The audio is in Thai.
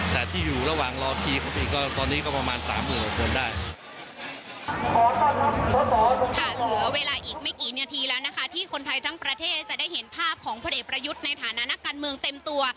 ที่คนไทยทั้งประเทศจะได้เห็นภาพของผลเอกประยุทธ์ในสถานะงักกันเมืองเต็มตัว